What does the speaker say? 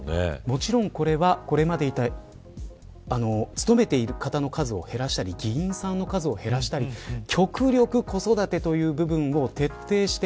もちろんこれは、これまで勤めている方の数を減らしたり議員さんの数を減らしたり極力子育てという部分を徹底して。